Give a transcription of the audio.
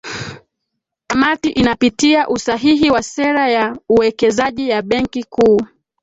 kamati inapitia usahihi wa sera ya uwekezaji ya benki kuu